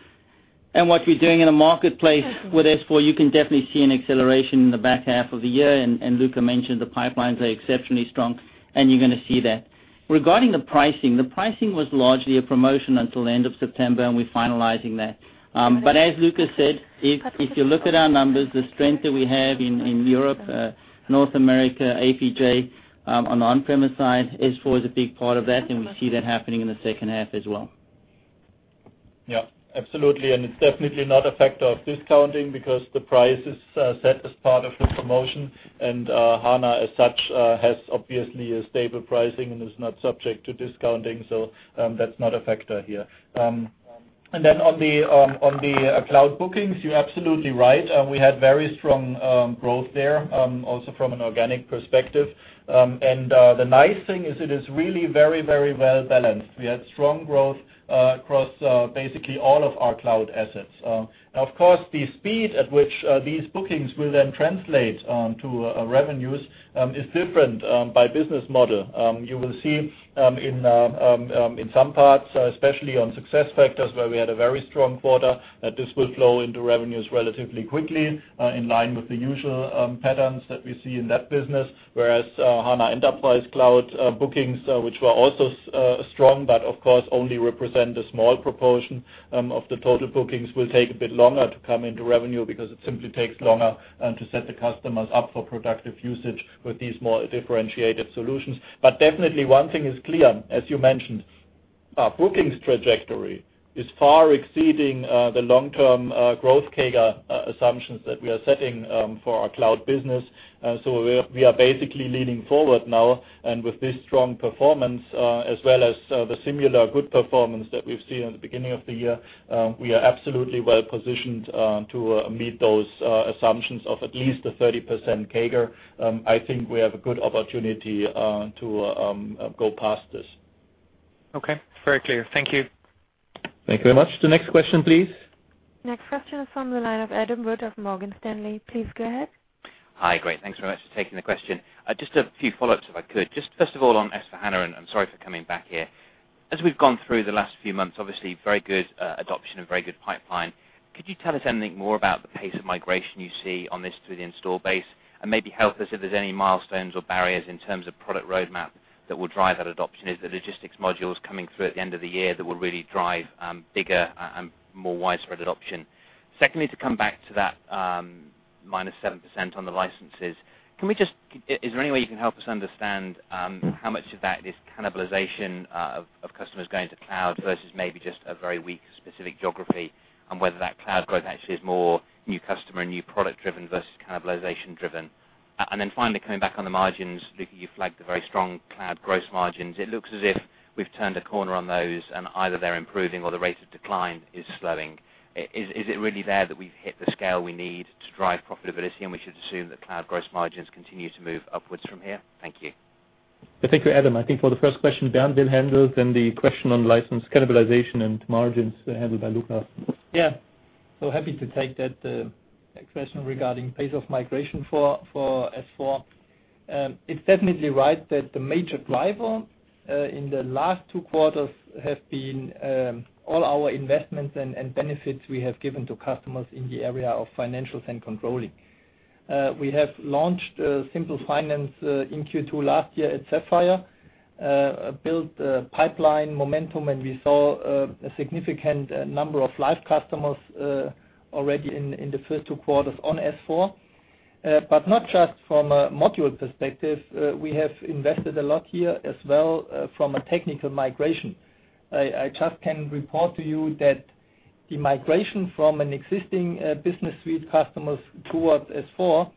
and what we're doing in the marketplace with S/4, you can definitely see an acceleration in the back half of the year. Luka mentioned the pipelines are exceptionally strong, you're going to see that. Regarding the pricing, the pricing was largely a promotion until the end of September, we're finalizing that. As Luka said, if you look at our numbers, the strength that we have in Europe, North America, APJ on the on-premise side, S/4 is a big part of that, we see that happening in the second half as well.
Yeah, absolutely. It's definitely not a factor of discounting because the price is set as part of the promotion, HANA as such has obviously a stable pricing and is not subject to discounting. That's not a factor here. On the cloud bookings, you're absolutely right. We had very strong growth there, also from an organic perspective. The nice thing is it is really very well-balanced. We had strong growth across basically all of our cloud assets. Of course, the speed at which these bookings will then translate to revenues is different by business model. You will see in some parts, especially on SuccessFactors, where we had a very strong quarter, that this will flow into revenues relatively quickly in line with the usual patterns that we see in that business. HANA Enterprise Cloud bookings, which were also strong, but of course only represent a small proportion of the total bookings, will take a bit longer to come into revenue because it simply takes longer to set the customers up for productive usage with these more differentiated solutions. Definitely one thing is clear, as you mentioned, our bookings trajectory is far exceeding the long-term growth CAGR assumptions that we are setting for our cloud business. We are basically leaning forward now. With this strong performance as well as the similar good performance that we've seen at the beginning of the year, we are absolutely well-positioned to meet those assumptions of at least a 30% CAGR. I think we have a good opportunity to go past this.
Okay. Very clear. Thank you.
Thank you very much. The next question, please.
Next question is from the line of Adam Wood of Morgan Stanley. Please go ahead.
Hi. Great. Thanks very much for taking the question. A few follow-ups if I could. First of all on S/4HANA, I'm sorry for coming back here. As we've gone through the last few months, obviously very good adoption and very good pipeline. Could you tell us anything more about the pace of migration you see on this through the install base? Maybe help us if there's any milestones or barriers in terms of product roadmap that will drive that adoption. Is the logistics modules coming through at the end of the year that will really drive bigger and more widespread adoption? Secondly, to come back to that -7% on the licenses. Is there any way you can help us understand how much of that is cannibalization of customers going to cloud versus maybe just a very weak specific geography, and whether that cloud growth actually is more new customer, new product driven versus cannibalization driven? Finally, coming back on the margins, Luka, you flagged the very strong cloud gross margins. It looks as if we've turned a corner on those, and either they're improving or the rate of decline is slowing. Is it really there that we've hit the scale we need to drive profitability, and we should assume that cloud gross margins continue to move upwards from here? Thank you.
Thank you, Adam Wood. I think for the first question, Bernd Leukert will handle, then the question on license cannibalization and margins handled by Luka Mucic.
Yeah. Happy to take that question regarding pace of migration for S/4. It's definitely right that the major driver in the last two quarters has been all our investments and benefits we have given to customers in the area of financials and controlling. We have launched Simple Finance in Q2 last year at SAPPHIRE NOW, built pipeline momentum, we saw a significant number of live customers already in the first two quarters on S/4. Not just from a module perspective, we have invested a lot here as well from a technical migration. I just can report to you that the migration from an existing Business Suite customers towards S/4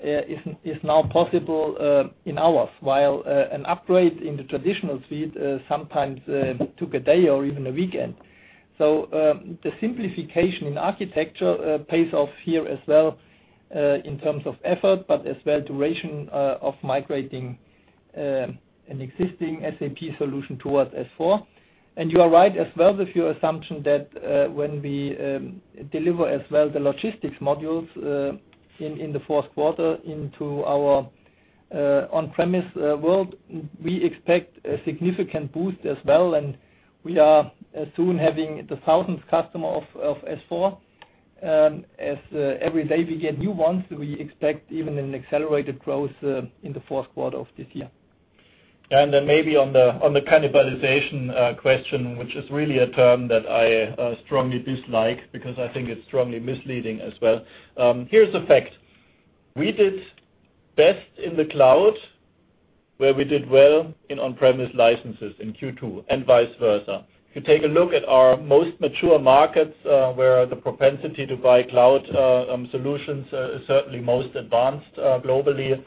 is now possible in hours, while an upgrade in the traditional suite sometimes took a day or even a weekend. The simplification in architecture pays off here as well, in terms of effort, but as well duration of migrating an existing SAP solution towards S/4. You are right as well with your assumption that when we deliver as well the logistics modules in the fourth quarter into our on-premise world, we expect a significant boost as well, and we are soon having the thousandth customer of S/4. As every day we get new ones, we expect even an accelerated growth in the fourth quarter of this year.
Maybe on the cannibalization question, which is really a term that I strongly dislike because I think it's strongly misleading as well. Here's a fact. We did best in the cloud where we did well in on-premise licenses in Q2, and vice versa. If you take a look at our most mature markets, where the propensity to buy cloud solutions is certainly most advanced globally,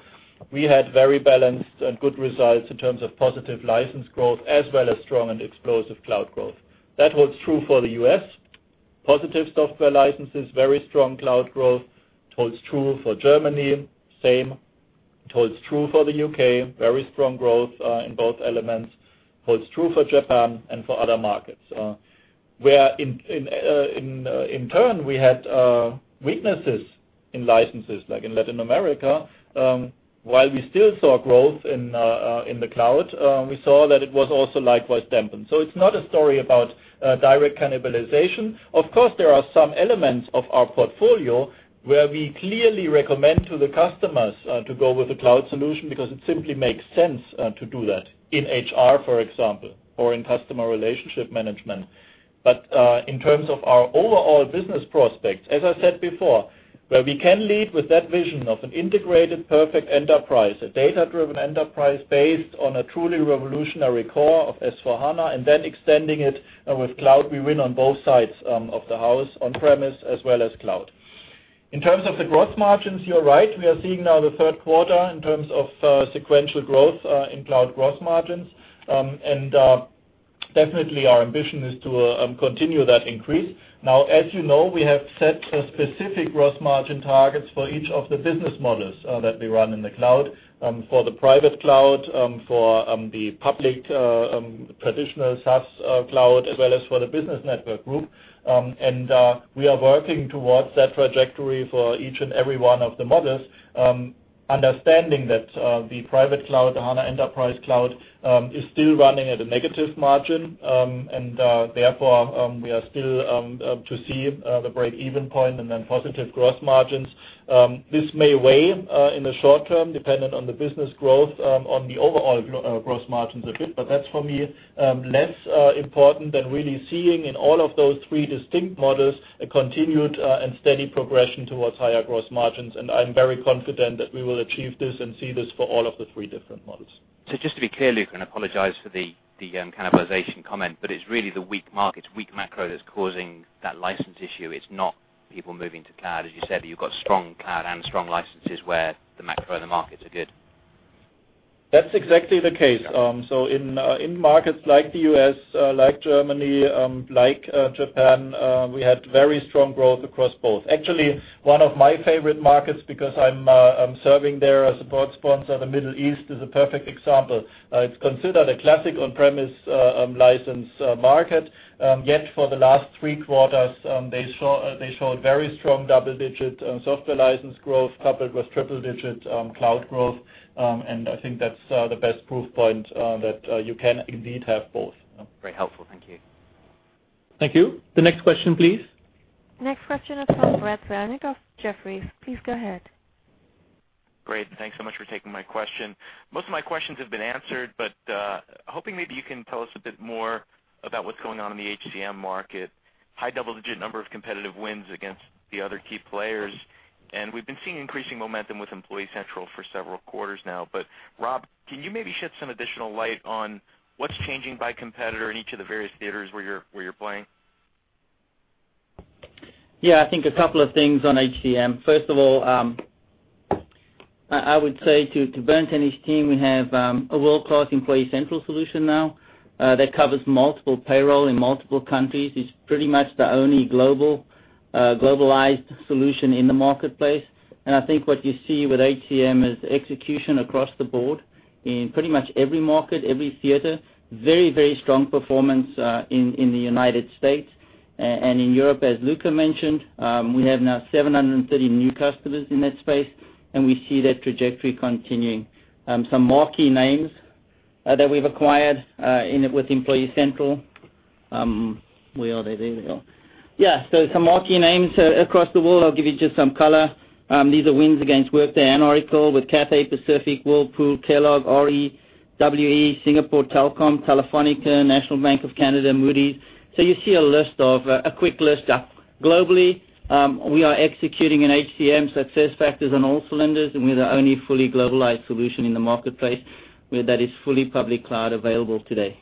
we had very balanced and good results in terms of positive license growth as well as strong and explosive cloud growth. That holds true for the U.S. Positive software licenses, very strong cloud growth, holds true for Germany, same. Holds true for the U.K., very strong growth, in both elements. Holds true for Japan and for other markets. Where in turn, we had weaknesses in licenses, like in Latin America, while we still saw growth in the cloud, we saw that it was also likewise dampened. It's not a story about direct cannibalization. Of course, there are some elements of our portfolio where we clearly recommend to the customers to go with the cloud solution because it simply makes sense to do that in HR, for example, or in customer relationship management. In terms of our overall business prospects, as I said before, where we can lead with that vision of an integrated perfect enterprise, a data-driven enterprise based on a truly revolutionary core of S/4HANA, and then extending it with cloud, we win on both sides of the house, on-premise as well as cloud. In terms of the gross margins, you're right, we are seeing now the third quarter in terms of sequential growth in cloud gross margins. Definitely our ambition is to continue that increase. Now, as you know, we have set specific gross margin targets for each of the business models that we run in the cloud, for the private cloud, for the public traditional SaaS cloud, as well as for the Business Network group. We are working towards that trajectory for each and every one of the models, understanding that the private cloud, the HANA Enterprise Cloud, is still running at a negative margin. Therefore, we are still to see the break-even point and then positive gross margins. This may weigh in the short term, dependent on the business growth, on the overall gross margins a bit. That's for me, less important than really seeing in all of those three distinct models a continued and steady progression towards higher gross margins. I'm very confident that we will achieve this and see this for all of the three different models.
Just to be clear, Luka, I apologize for the cannibalization comment, but it's really the weak markets, weak macro that's causing that license issue. It's not people moving to cloud. As you said, you've got strong cloud and strong licenses where the macro and the markets are good.
That's exactly the case. In markets like the U.S., like Germany, like Japan, we had very strong growth across both. Actually, one of my favorite markets, because I'm serving there as a board sponsor, the Middle East is a perfect example. It's considered a classic on-premise license market. Yet for the last three quarters, they showed very strong double-digit software license growth coupled with triple-digit cloud growth. I think that's the best proof point that you can indeed have both.
Very helpful. Thank you.
Thank you. The next question, please.
The next question is from Brad Zelnick of Jefferies. Please go ahead.
Great. Thanks so much for taking my question. Most of my questions have been answered, but hoping maybe you can tell us a bit more about what's going on in the HCM market. High double-digit number of competitive wins against the other key players. We've been seeing increasing momentum with Employee Central for several quarters now. Rob, can you maybe shed some additional light on what's changing by competitor in each of the various theaters where you're playing?
Yeah, I think a couple of things on HCM. First of all, I would say to Bernd and his team, we have a world-class Employee Central solution now, that covers multiple payroll in multiple countries. It's pretty much the only globalized solution in the marketplace. I think what you see with HCM is execution across the board in pretty much every market, every theater. Very strong performance in the U.S. In Europe, as Luka mentioned, we have now 730 new customers in that space, and we see that trajectory continuing. Some marquee names that we've acquired with Employee Central. Where are they? There they are. Yeah. Some marquee names across the world. I'll give you just some color. These are wins against Workday and Oracle with Cathay Pacific, Whirlpool, Kellogg, REWE, Singapore Telecom, Telefonica, National Bank of Canada, Moody's. You see a quick list globally. We are executing an HCM SuccessFactors on all cylinders, and we are the only fully globalized solution in the marketplace that is fully public cloud available today.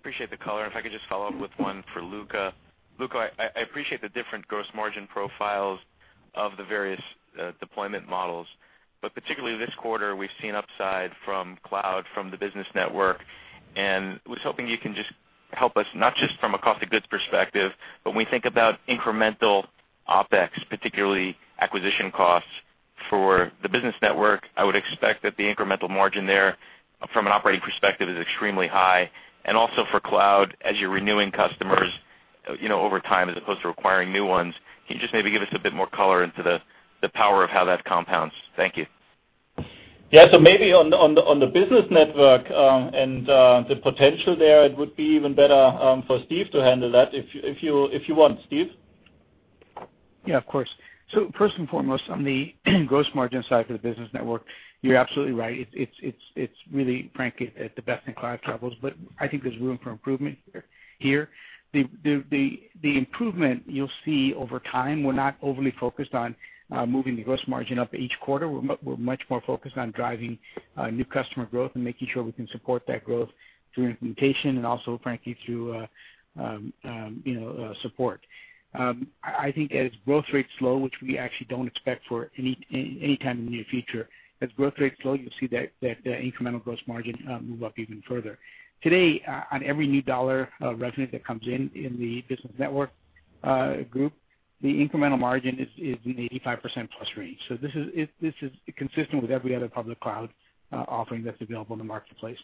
Appreciate the color. If I could just follow up with one for Luka. Luka, I appreciate the different gross margin profiles of the various deployment models. Particularly this quarter, we've seen upside from cloud, from the Business Network, and was hoping you can just help us, not just from a cost of goods perspective, but when we think about incremental OpEx, particularly acquisition costs for the Business Network. I would expect that the incremental margin there from an operating perspective is extremely high. Also for cloud, as you're renewing customers over time as opposed to acquiring new ones, can you just maybe give us a bit more color into the power of how that compounds? Thank you.
Yeah. Maybe on the Business Network, and the potential there, it would be even better for Steve to handle that if you want. Steve?
Yeah, of course. First and foremost, on the gross margin side for the Business Network, you're absolutely right. It's really, frankly, the best in cloud travel, but I think there's room for improvement here. The improvement you'll see over time, we're not overly focused on moving the gross margin up each quarter. We're much more focused on driving new customer growth and making sure we can support that growth through implementation and also, frankly, through support. I think as growth rates slow, which we actually don't expect for any time in the near future, as growth rates slow, you'll see that incremental gross margin move up even further. Today, on every new dollar of revenue that comes in in the Business Network group, the incremental margin is in the 85%-plus range. This is consistent with every other public cloud offering that's available in the marketplace.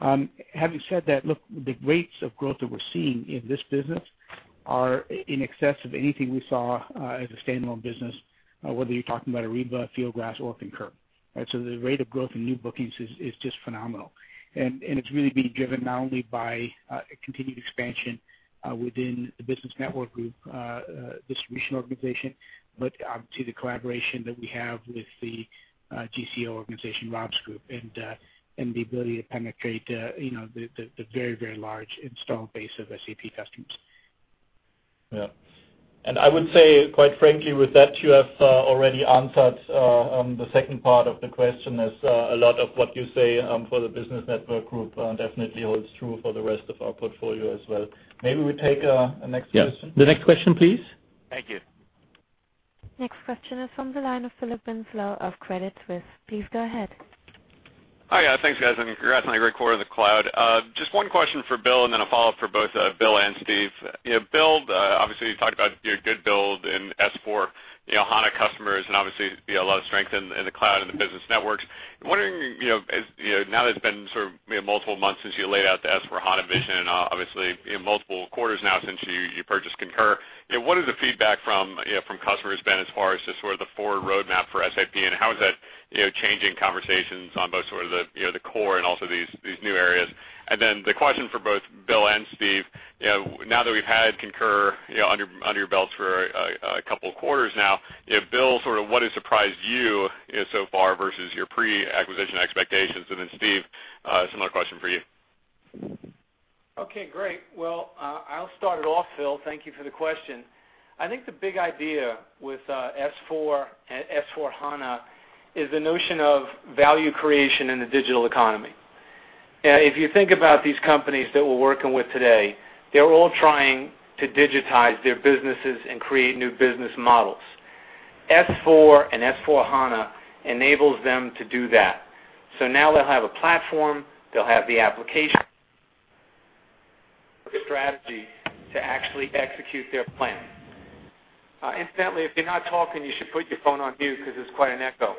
Having said that, look, the rates of growth that we're seeing in this business are in excess of anything we saw as a standalone business, whether you're talking about Ariba, Fieldglass or Concur. The rate of growth in new bookings is just phenomenal. It's really being driven not only by continued expansion within the Business Network group distribution organization, but obviously the collaboration that we have with the GCO organization, Rob's group, and the ability to penetrate the very large install base of SAP customers.
Yeah. I would say, quite frankly, with that, you have already answered the second part of the question, as a lot of what you say for the Business Network group definitely holds true for the rest of our portfolio as well. Maybe we take a next question.
Yes. The next question, please.
Thank you.
Next question is from the line of Philip Winslow of Credit Suisse. Please go ahead.
Hi. Thanks, guys. Congrats on a great quarter in the cloud. Just one question for Bill. A follow-up for both Bill and Steve. Bill, obviously you talked about your good build in S/4HANA customers and obviously a lot of strength in the cloud and the business networks. I'm wondering, now that it's been sort of multiple months since you laid out the S/4HANA vision and obviously multiple quarters now since you purchased Concur, what is the feedback from customers been as far as just sort of the forward roadmap for SAP and how is that changing conversations on both sort of the core and also these new areas? The question for both Bill and Steve, now that we've had Concur under your belts for a couple of quarters now, Bill, sort of what has surprised you so far versus your pre-acquisition expectations? Steve, a similar question for you.
Okay, great. Well, I'll start it off, Phil. Thank you for the question. I think the big idea with S/4 and S/4HANA is the notion of value creation in the digital economy. If you think about these companies that we're working with today, they're all trying to digitize their businesses and create new business models. S/4 and S/4HANA enables them to do that. Now they'll have a platform, they'll have the application strategy to actually execute their plan. Incidentally, if you're not talking, you should put your phone on mute because there's quite an echo.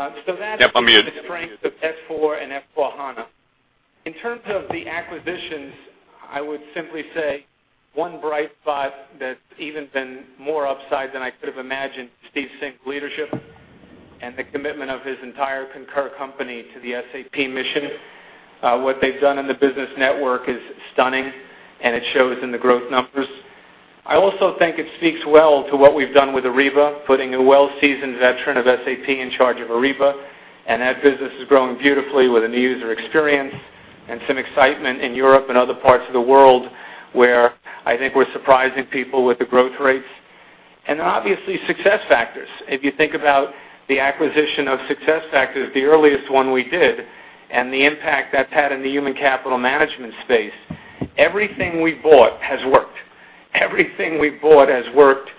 Yep, I'm mute.
That's the strength of S/4 and S/4HANA. In terms of the acquisitions, I would simply say one bright spot that's even been more upside than I could have imagined, Steve Singh leadership and the commitment of his entire Concur company to the SAP mission. What they've done in the SAP Business Network is stunning, and it shows in the growth numbers. I also think it speaks well to what we've done with Ariba, putting a well-seasoned veteran of SAP in charge of Ariba, and that business is growing beautifully with a new user experience and some excitement in Europe and other parts of the world where I think we're surprising people with the growth rates. Obviously, SuccessFactors. If you think about the acquisition of SuccessFactors, the earliest one we did, and the impact that's had in the human capital management space, everything we bought has worked. Everything we bought has worked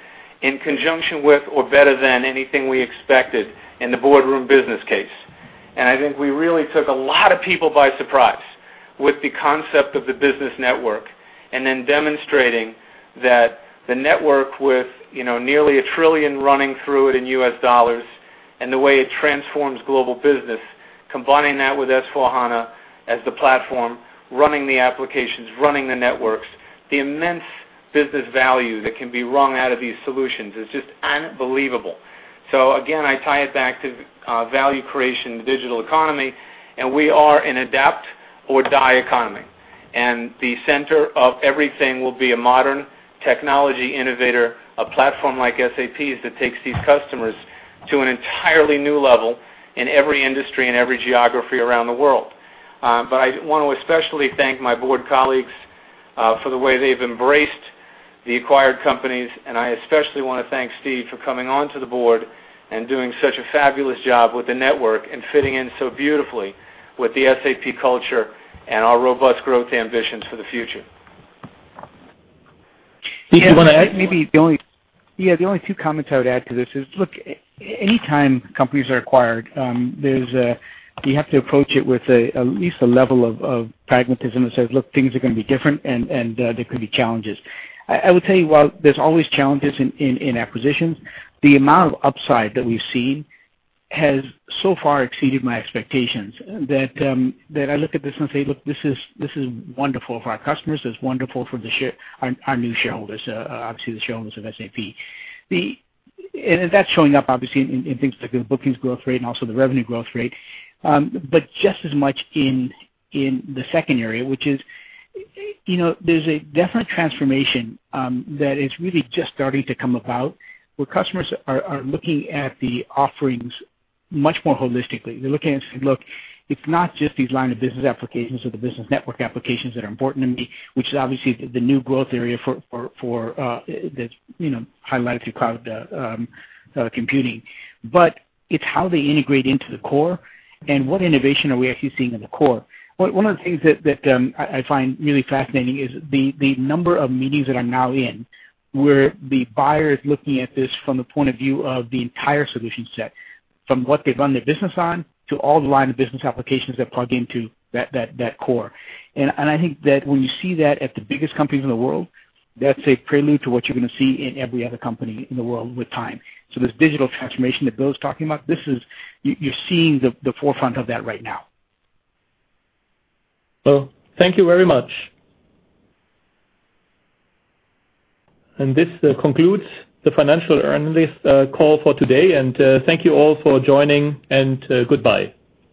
in conjunction with or better than anything we expected in the boardroom business case. I think we really took a lot of people by surprise with the concept of the SAP Business Network and then demonstrating that the network with nearly a trillion running through it in U.S. dollars and the way it transforms global business, combining that with S/4HANA as the platform, running the applications, running the networks, the immense business value that can be wrung out of these solutions is just unbelievable. Again, I tie it back to value creation in the digital economy, we are an adapt-or-die economy. The center of everything will be a modern technology innovator, a platform like SAP's that takes these customers to an entirely new level in every industry and every geography around the world. I want to especially thank my board colleagues for the way they've embraced the acquired companies, and I especially want to thank Steve for coming onto the board and doing such a fabulous job with the SAP Business Network and fitting in so beautifully with the SAP culture and our robust growth ambitions for the future.
Steve, you want to add?
Yeah, the only 2 comments I would add to this is, look, anytime companies are acquired, you have to approach it with at least a level of pragmatism that says, "Look, things are going to be different, and there could be challenges." I would tell you while there's always challenges in acquisitions, the amount of upside that we've seen has so far exceeded my expectations that I look at this and say, "Look, this is wonderful for our customers. It's wonderful for our new shareholders, obviously the shareholders of SAP." That's showing up obviously in things like the bookings growth rate and also the revenue growth rate. Just as much in the second area, which is there's a definite transformation that is really just starting to come about where customers are looking at the offerings much more holistically. They're looking and saying, "Look, it's not just these line of business applications or the Business Network applications that are important to me," which is obviously the new growth area that's highlighted through cloud computing. It's how they integrate into the core and what innovation are we actually seeing in the core. One of the things that I find really fascinating is the number of meetings that I'm now in where the buyer is looking at this from the point of view of the entire solution set, from what they run their business on to all the line of business applications that plug into that core. I think that when you see that at the biggest companies in the world, that's a prelude to what you're going to see in every other company in the world with time. This digital transformation that Bill's talking about, you're seeing the forefront of that right now.
Well, thank you very much. This concludes the financial analyst call for today, and thank you all for joining, and goodbye.